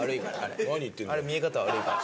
あれ見え方悪いから。